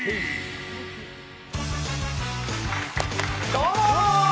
どうも！